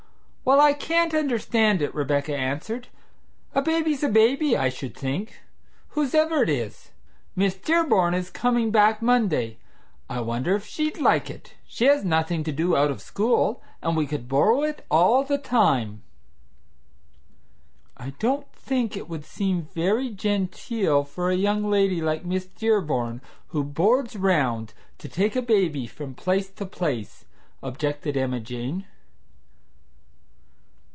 "Well, I can't understand it," Rebecca answered. "A baby's a baby, I should think, whose ever it is! Miss Dearborn is coming back Monday; I wonder if she'd like it? She has nothing to do out of school, and we could borrow it all the time!" "I don't think it would seem very genteel for a young lady like Miss Dearborn, who 'boards round,' to take a baby from place to place," objected Emma Jane.